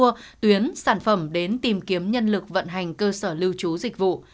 mua tuyến sản phẩm đến tìm kiếm nhân lực vận hành cơ sở lưu trú dịch vụ